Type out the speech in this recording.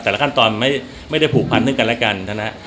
แต่ละขั้นตอนไม่ได้ผูกพันซึ่งกันและกันนะฮะ